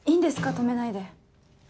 止めないで。